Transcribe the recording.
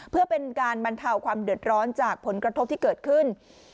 เพื่อเป็นการบรรเทาความเดือดร้อนจากผลกระทบที่เกิดขึ้น